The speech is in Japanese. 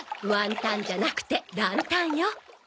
ワンタンじゃなくてランタンよ。